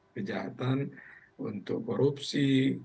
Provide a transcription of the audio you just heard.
kejahatan untuk korupsi